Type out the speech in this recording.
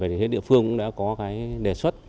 đồng thời thì địa phương cũng đã có cái đề xuất